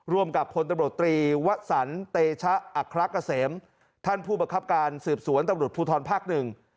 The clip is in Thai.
ร่วมกับพตตรีวะสันเตชะอกะเสมท่านผู้ประคับการสืบสวนตำรวจภูทรภักดิ์๑